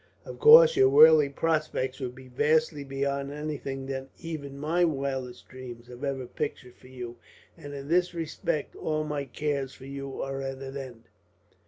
Of course, your worldly prospects will be vastly beyond anything that even my wildest dreams have ever pictured for you, and in this respect all my cares for you are at an end.